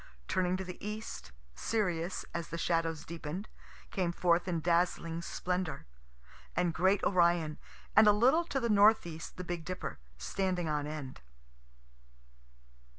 Turning to the east, Sirius, as the shadows deepen'd, came forth in dazzling splendor. And great Orion; and a little to the north east the big Dipper, standing on end.